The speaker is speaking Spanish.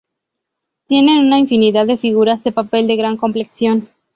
Tiene una infinidad de figuras de papel de gran complexión.